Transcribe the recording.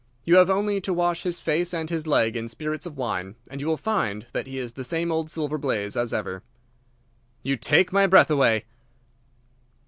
"You have only to wash his face and his leg in spirits of wine, and you will find that he is the same old Silver Blaze as ever." "You take my breath away!"